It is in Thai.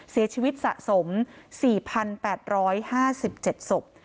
เสียชีวิตสะสม๔๘๕๗ศพ